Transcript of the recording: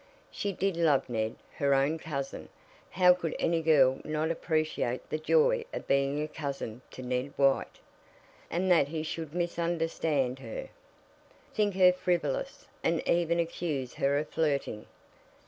She did love Ned, her own cousin. How could any girl not appreciate the joy of being a cousin to Ned White? And that he should misunderstand her! Think her frivolous, and even accuse her of flirting!